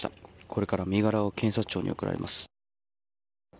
これから身柄を検察庁に送られます。